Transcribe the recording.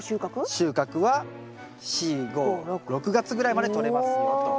収穫は４５６月ぐらいまでとれますよと。